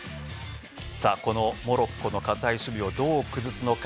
さあ、このモロッコの堅い守備をどう崩すのか。